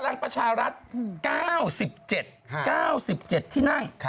พลังประชารัฐ๙๗๙๗ที่นั่ง